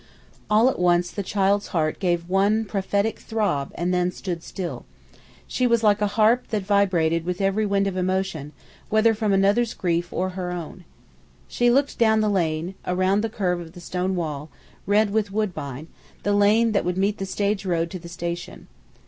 All at once the child's heart gave one prophetic throb and then stood still. She was like a harp that vibrated with every wind of emotion, whether from another's grief or her own. She looked down the lane, around the curve of the stone wall, red with woodbine, the lane that would meet the stage road to the station.